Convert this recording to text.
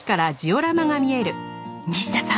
西田さん。